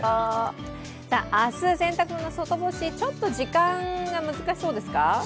明日、洗濯物、外干しちょっと時間が難しそうですか。